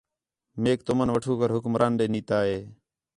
میک تُمن وٹھو کر حکمران ݙے نیتا ہِے